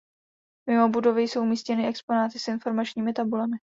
Mimo budovy jsou umístěny exponáty s informačními tabulemi.